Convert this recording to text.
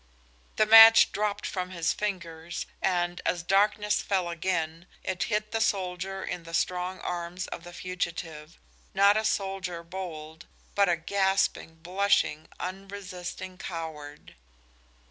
The match dropped from his fingers, and, as darkness fell again, it hid the soldier in the strong arms of the fugitive not a soldier bold, but a gasping, blushing, unresisting coward.